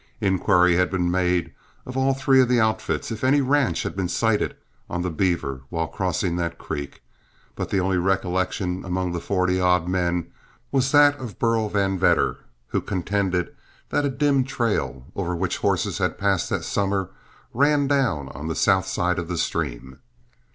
Inquiry had been made of all three of the outfits if any ranch had been sighted on the Beaver while crossing that creek, but the only recollection among the forty odd men was that of Burl Van Vedder, who contended that a dim trail, over which horses had passed that summer, ran down on the south side of the stream.